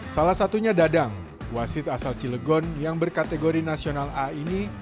salah satunya dadang wasit asal cilegon yang berkategori nasional a ini